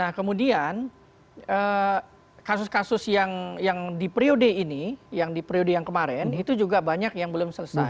nah kemudian kasus kasus yang di periode ini yang di periode yang kemarin itu juga banyak yang belum selesai